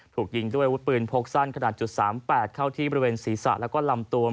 ถูกยิงด้วยอาวุธปืนโพกสั้นขนาด๓๘เข้าที่บริเวณศรีษะและลำตวม